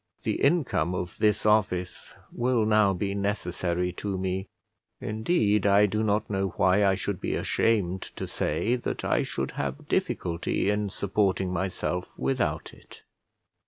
The income of this office will now be necessary to me; indeed, I do not know why I should be ashamed to say that I should have difficulty in supporting myself without it.